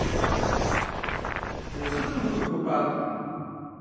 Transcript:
Лэжьыгъэм гур хуопабгъэ.